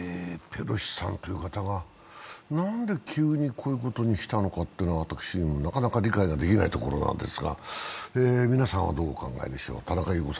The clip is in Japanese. ペロシさんという方が何で急にこういうことに来たのか、私にもなかなか理解ができないところなんですが皆さんはどうお考えでしょう。